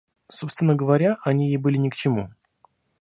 Собственно говоря, они ей были ни к чему.